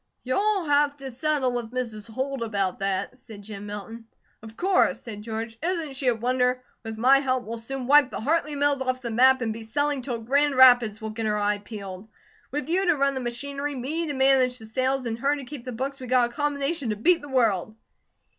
"You'll have to settle with Mrs. Holt about that," said Jim Milton. "Of course," said George. "Isn't she a wonder? With my help, we'll soon wipe the Hartley mills off the map, and be selling till Grand Rapids will get her eye peeled. With you to run the machinery, me to manage the sales, and her to keep the books, we got a combination to beat the world."